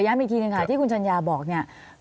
ขอย้ำอีกทีหนึ่งค่ะที่คุณชัญญาบอกอย่างนี้